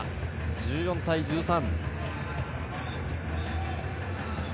１４対１３。